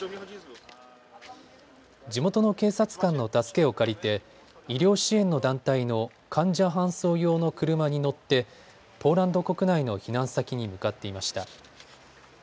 地元の警察官の助けを借りて医療支援の団体の患者搬送用の車に乗ってポーランド国内の避難先に向かっていました。